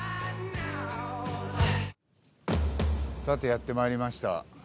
さてやって参りました。